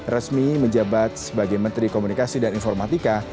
resmi menjabat sebagai menteri komunikasi dan informatika